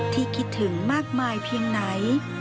คิดถึงมากมายเพียงไหน